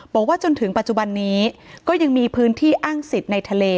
บอกว่าจนถึงปัจจุบันนี้ก็ยังมีพื้นที่อ้างสิทธิ์ในทะเล